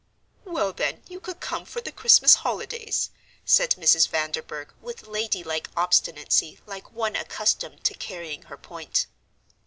"Well, then, you could come for the Christmas holidays," said Mrs. Vanderburgh, with ladylike obstinacy like one accustomed to carrying her point.